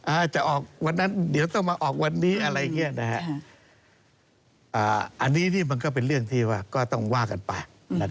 อาจจะออกวันนั้นเดี๋ยวต้องมาออกวันนี้อะไรอย่างเงี้ยนะฮะอันนี้นี่มันก็เป็นเรื่องที่ว่าก็ต้องว่ากันไป